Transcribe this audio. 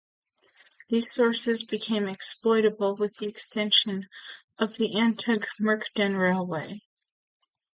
These sources became exploitable with the extension of the Antung-Mukden railway.